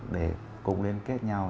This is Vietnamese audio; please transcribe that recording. để cùng liên kết nhau